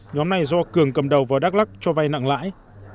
nhóm này do cường cầm đầu vào đắk lắc cho vay nặng lãi